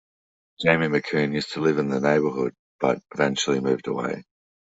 Jamie Macoun used to live in the neighbourhood, but eventually moved away.